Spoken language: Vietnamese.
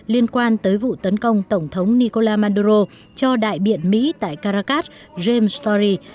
liên quan tới vụ tấn công tổng thống nicolás manduró cho đại biện mỹ tại caracas james story